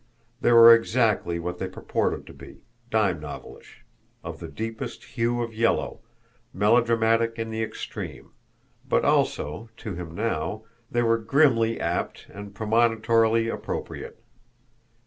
They were exactly what they purported to be, dime novelish, of the deepest hue of yellow, melodramatic in the extreme; but also, to him now, they were grimly apt and premonitorily appropriate.